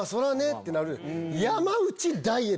ってなる。